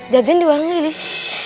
jadian di warung nilis